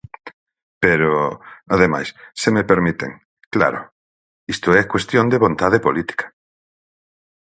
Pero, ademais –se me permiten–, claro, isto é cuestión de vontade política.